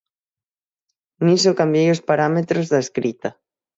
Niso cambiei os parámetros da escrita.